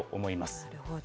なるほど。